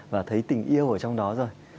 và thấy tình yêu ở trong đó rồi